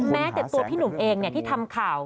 แม้แต่ตัวพี่หนุ่มเองที่ทำข่าว